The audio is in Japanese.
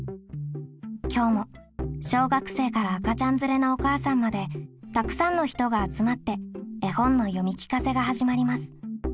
今日も小学生から赤ちゃん連れのお母さんまでたくさんの人が集まって絵本の読み聞かせが始まります。